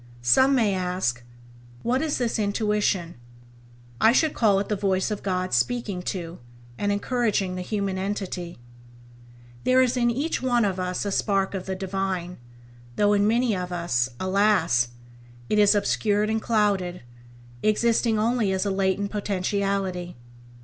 Some may ask: What is this Intuition ? I should call it the voice of God speaking to, and encouraging the human entity. There is in each one of us a spark of the Divine, though in many of us, alas! it is obscured and clouded, existing only as a latent potentiality.